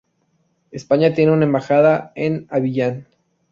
España tiene una embajada en Abiyán.